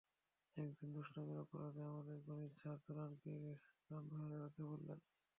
একদিন দুষ্টামির অপরাধে আমাদের গণিত স্যার তূরাকে কান ধরে দাঁড়াতে বললেন।